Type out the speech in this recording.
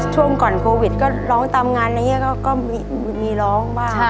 ช่วงก่อนโควิดก็ร้องตามงานนี้ก็มีร้องบ้าง